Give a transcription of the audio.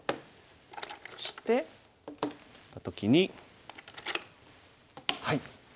そしてた時にはい。